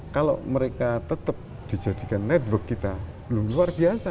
kalau mereka tetap dijadikan network kita belum luar biasa